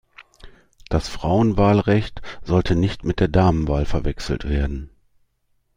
Das Frauenwahlrecht sollte nicht mit der Damenwahl verwechselt werden.